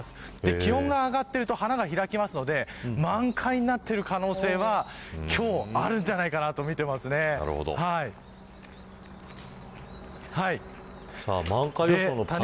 気温が上がっているとまた花が開くので満開になっている可能性は今日、あるんじゃないかなと満開予想のパネルは。